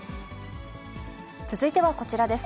続いてはこちらです。